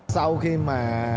sau khi mà